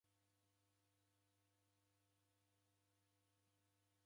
Neka na mshipi ghwa mrongo